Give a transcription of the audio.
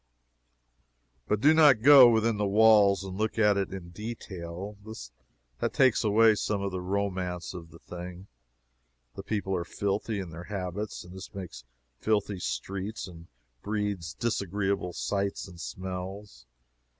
But do not go within the walls and look at it in detail. That takes away some of the romance of the thing. The people are filthy in their habits, and this makes filthy streets and breeds disagreeable sights and smells.